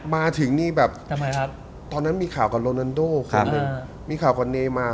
มาถึงนี่แบบตอนนั้นมีข่าวกับโรนันโดมีข่าวกับเนมา